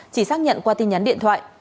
chỉ xác nhận qua tin nhắn điện thoại